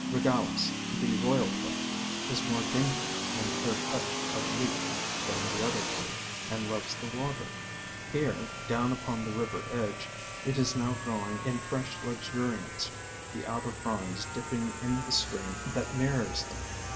Regalis, the Royal Fern, is more dainty and clear cut of leaf than the other two, and loves the water. Here down upon the river edge it is now growing in fresh luxuriance, the outer fronds dip ping in the stream that mirrors them.